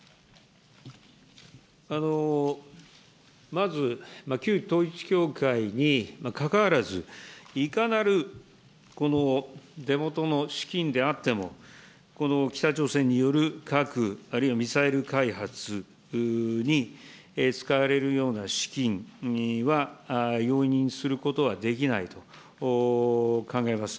まず、旧統一教会にかかわらず、いかなるこの出もとの資金であっても、北朝鮮による核、あるいはミサイル開発に使われるような資金には容認することはできないと考えます。